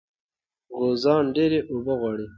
غوزان ډېرې اوبه غواړي.